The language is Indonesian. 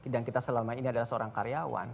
dan kita selama ini adalah seorang karyawan